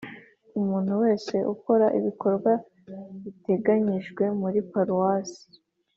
Umuntu wese ukora ibikorwa biteganyijwe muri paruwasi